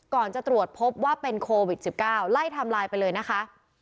ก่อนจะตรวจพบว่าเป็นโควิด๑๙ไล่ทำลายไปเลยนะคะ